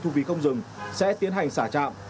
thu phí không dừng sẽ tiến hành xả trạm